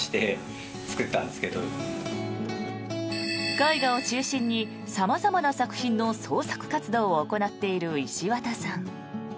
絵画を中心に様々な作品の創作活動を行っている石渡さん。